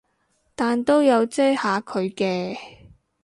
但都有遮下佢嘅